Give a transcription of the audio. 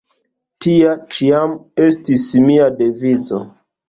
Tia ĉiam estis mia devizo.